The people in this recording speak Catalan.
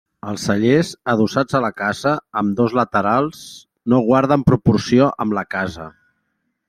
Els cellers, adossats a la casa, a ambdós laterals, no guarden proporció amb la casa.